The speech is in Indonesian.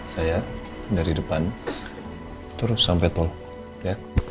saya dari depan terus sampai tol ya